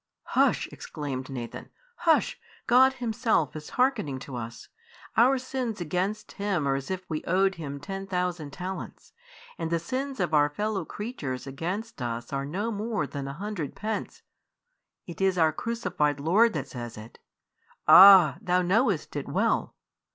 "Hush!" exclaimed Nathan, "hush! God Himself is hearkening to us. Our sins against Him are as if we owed Him ten thousand talents; and the sins of our fellow creatures against us are no more than a hundred pence. It is our crucified Lord that says it. Ah! thou knowest it well.